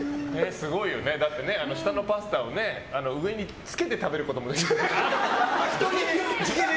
すごいよね、下のパスタを上につけて食べることもできるからね。